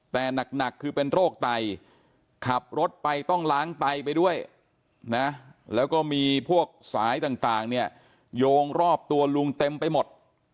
แต่หนักคือเป็นโรคไตขับรถไปต้องล้างไตไปด้วยนะแล้วก็มีพวกสายต่างเนี่ยโยงรอบตัวลุงเต็มไปหมด